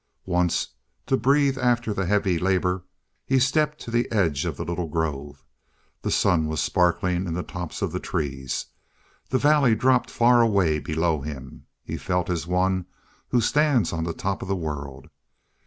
Once, to breathe after the heavy labor, he stepped to the edge of the little grove. The sun was sparkling in the tops of the trees; the valley dropped far away below him. He felt as one who stands on the top of the world.